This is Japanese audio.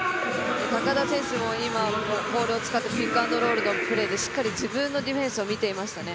高田選手も今、ボールを使ってピックアンドロールのプレーでしっかり自分のディフェンスを見ていましたね。